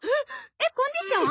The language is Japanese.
えっコンディション？